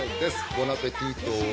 ボナペティート。